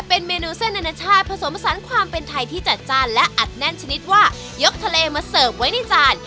เป็นเมนูเส้นอนาชาติผสมสารความเป็นไทยที่จัดจ้านและอัดแน่นชนิดว่ายกทะเลมาเสิร์ฟไว้ในจาน